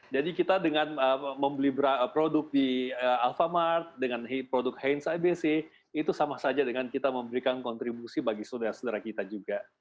kita dengan membeli produk di alfamart dengan produk hands ibc itu sama saja dengan kita memberikan kontribusi bagi saudara saudara kita juga